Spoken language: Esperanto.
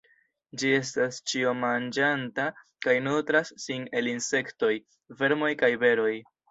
Ĝi estas ĉiomanĝanta, kaj nutras sin el insektoj, vermoj kaj beroj.